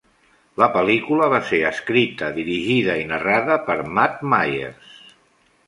La pel·lícula va ser escrita, dirigida i narrada per Matt Myers.